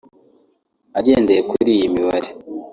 Agendeye kuri iyi mibare